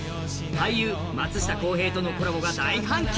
俳優、松下洸平とのコラボが大反響。